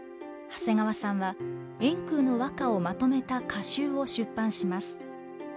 長谷川さんは円空の和歌をまとめた歌集を出版します。